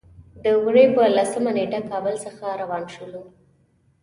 د وري په لسمه نېټه کابل څخه روان شولو.